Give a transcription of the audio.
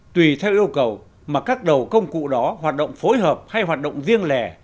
tùy theo yêu cầu mà các đầu công cụ đó hoạt động phối hợp hay hoạt động riêng lẻ